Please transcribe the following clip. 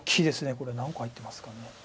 これ何個入ってますか。